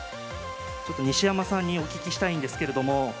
ちょっと西山さんにお聞きしたいんですけれども。